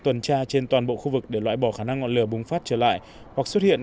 tuần tra trên toàn bộ khu vực để loại bỏ khả năng ngọn lửa bùng phát trở lại hoặc xuất hiện